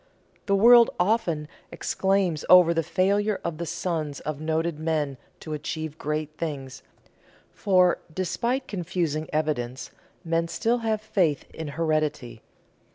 The world often exclaims over the failure of the sons of noted men to achieve great things, for, despite confusing evidence, men still have faith in heredity.